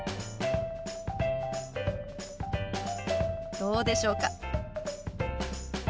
どうでしょうか？